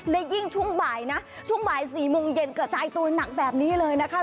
และยิ่งช่วงบ่ายนะช่วงบ่าย๔โมงเย็นกระจายตัวหนักแบบนี้เลยนะคะ